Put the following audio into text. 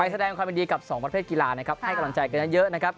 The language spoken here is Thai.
ไปแสดงความเป็นดีกับ๒ประเภทกีฬานะครับให้กระทับตนใจเยอะนะครับ